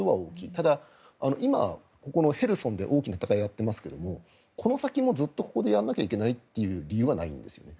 ただ、今、ヘルソンで大きな戦いをやっていますがこの先もずっとここでやらなきゃいけないという理由はないんですね。